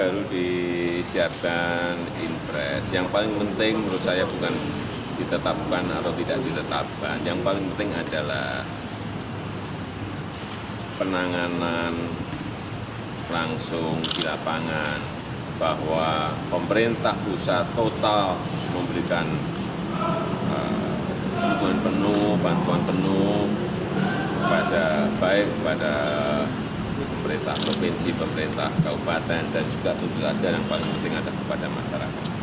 dukungan penuh bantuan penuh kepada baik kepada pemerintah provinsi pemerintah kabupaten dan juga tujuan yang paling penting ada kepada masyarakat